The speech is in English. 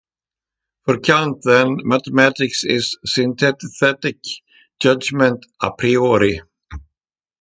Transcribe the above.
For Kant then, mathematics is synthetic judgment "a priori".